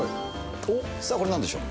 さあ、これなんでしょう。